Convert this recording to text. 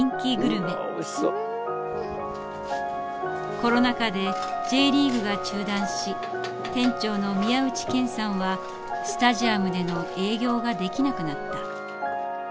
コロナ禍でＪリーグが中断し店長の宮内憲さんはスタジアムでの営業ができなくなった。